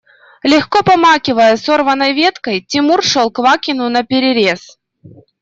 Легко помахивая сорванной веткой, Тимур шел Квакину наперерез.